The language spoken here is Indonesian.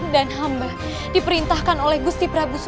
dan hamba diperintahkan oleh gusti prabu surawi sesa